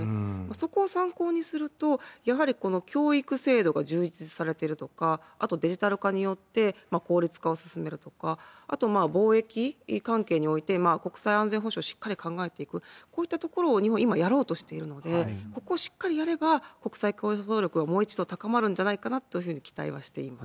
そこを参考にすると、やはり教育制度が充実されてるとか、あと、デジタル化によって効率化を進めるとか、あと貿易関係において、国際安全保障しっかり考えていく、こういったところを日本、今やろうとしているので、ここをしっかりやれば、国際競争力がもう一度高まるんじゃないかなと期待はしています。